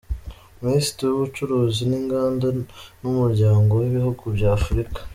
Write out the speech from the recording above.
Minisitiri w’Ubucuruzi n’Inganda n’Umuryango w’Ibihugu bya Afurika